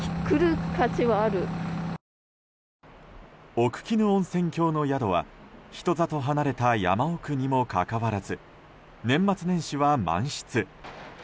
奥鬼怒温泉郷の宿は人里離れた山奥にもかかわらず年末年始は満室。